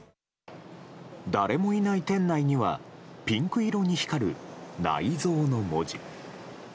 誰もいない店内にはピンク色に光る「ナイゾー」の文字。